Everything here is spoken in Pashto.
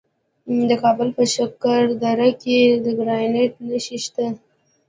د کابل په شکردره کې د ګرانیټ نښې شته.